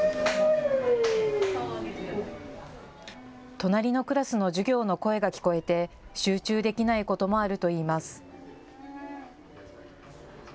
隣のクラスの授業の声が聞こえて集中できないこともあるといいます。